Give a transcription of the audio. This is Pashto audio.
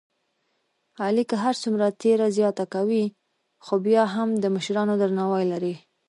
علی که هرڅومره تېره زیاته کوي، خوبیا هم د مشرانو درناوی لري.